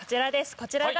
こちらが。